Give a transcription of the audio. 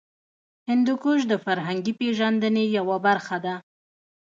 هندوکش د فرهنګي پیژندنې یوه برخه ده.